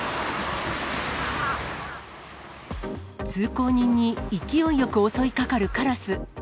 通行人に勢いよく襲いかかるカラス。